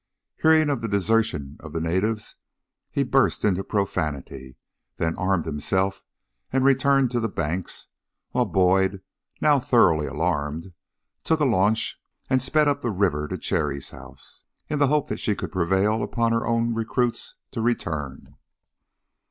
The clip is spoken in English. Hearing of the desertion of the natives, he burst into profanity, then armed himself and returned to the banks, while Boyd, now thoroughly alarmed, took a launch and sped up the river to Cherry's house, in the hope that she could prevail upon her own recruits to return.